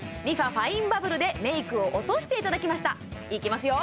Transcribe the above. ファインバブルでメイクを落としていただきましたいきますよ・